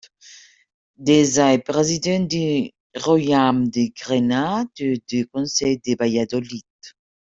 Deza est président du royaume de Grenade et du conseil de Valladolid.